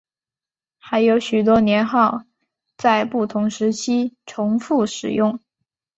还有许多年号在不同时期重复使用。